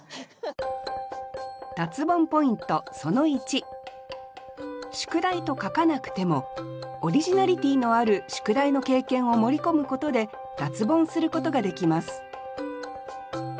脱ボンポイントその１「宿題」と書かなくてもオリジナリティーのある「宿題」の経験を盛り込むことで脱ボンすることができます